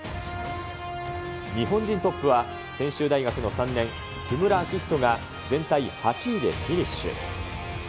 日本人トップは専修大学の３年、木村暁仁が全体８位でフィニッシュ。